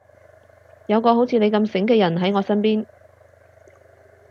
有個好似你咁醒嘅人喺我身邊